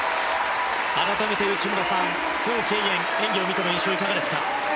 改めて、内村さんスウ・ケイエンの演技を見ての印象はいかがですか？